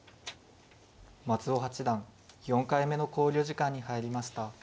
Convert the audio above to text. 松尾八段４回目の考慮時間に入りました。